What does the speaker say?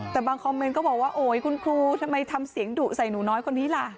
แต่บางคอมเมนต์ก็บอกว่าโอ๊ยคุณครูทำไมทำเสียงดุใส่หนูน้อยคนนี้ล่ะ